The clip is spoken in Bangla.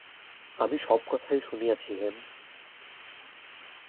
আমি সব কথা শুনিয়াছি হেম!